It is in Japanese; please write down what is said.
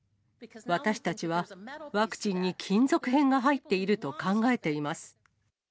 私たちはワクチンに金属片が入っていると考えています。